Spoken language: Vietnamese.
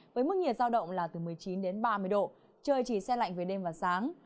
với mức nhiệt giao động là từ một mươi chín đến ba mươi độ trời chỉ xe lạnh về đêm và sáng